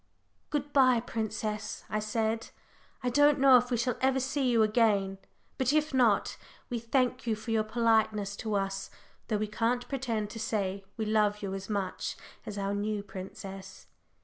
"Good bye, princess," I said. "I don't know if we shall ever see you again, but if not, we thank you for your politeness to us, though we can't pretend to say we love you as much as our new princess."